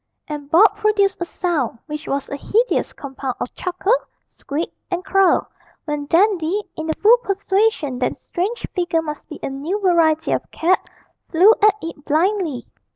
And Bob produced a sound which was a hideous compound of chuckle, squeak, and crow, when Dandy, in the full persuasion that the strange figure must be a new variety of cat, flew at it blindly.